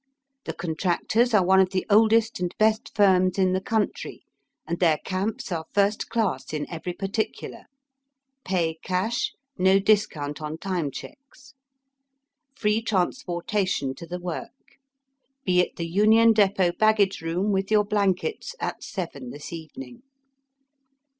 The contractors are one of the oldest and best firms in the country, and their camps are first class in every particular. Pay cash ; no discount on time checks. Free transporta tion to the work. Be at the Union Depot baggage room with your blankets at seven this evening."